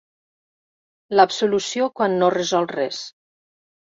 L'absolució quan no resol res.